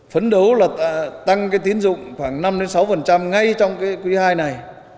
phấn đấu là tăng cái tiến dụng khoảng năm sáu ngay trong cái quý hai này